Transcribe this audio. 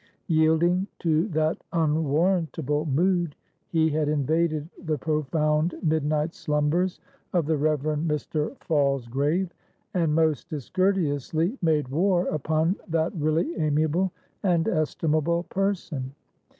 Yielding to that unwarrantable mood, he had invaded the profound midnight slumbers of the Reverend Mr. Falsgrave, and most discourteously made war upon that really amiable and estimable person.